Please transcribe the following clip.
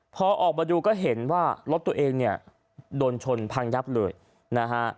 พอออกมาดูก็เห็นว่ารถตัวเองเนี่ยโดนชนพังยับเลยนะฮะ